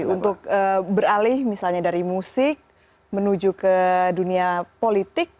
untuk beralih misalnya dari musik menuju ke dunia politik